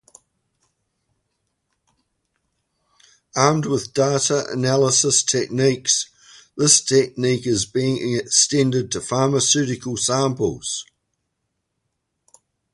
Armed with data analysis techniques, this technique is being extended to pharmaceutical samples.